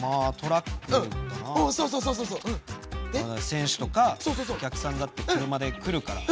選手とかお客さんだって車でくるから。